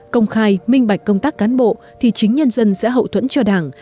công khai minh bạch công tác cán bộ thì chính nhân dân sẽ hậu thuẫn cho đảng